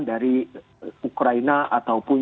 dari ukraina ataupun